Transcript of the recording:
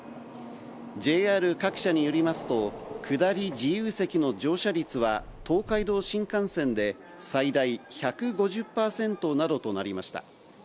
ＪＲ各社によりますと、下り自由席の乗車率は東海道新幹線で最大１５０％などとなりました。